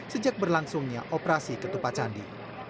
sejak berlangsungnya operasi ketupat candi